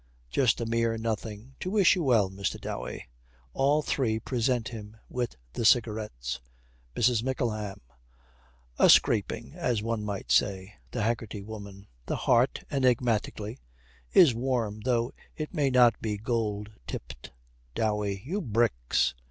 'Just a mere nothing, to wish you well, Mr. Dowey.' All three present him with the cigarettes. MRS. MICKLEHAM. 'A scraping, as one might say.' THE HAGGERTY WOMAN. 'The heart,' enigmatically, 'is warm though it may not be gold tipped.' DOWEY. 'You bricks!'